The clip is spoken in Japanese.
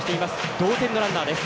同点のランナーです。